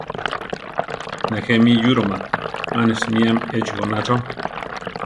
Nejé mi yúroma, mane simíame echí goná chó.